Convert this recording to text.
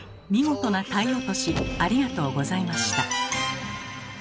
見事な体落ありがとうございました。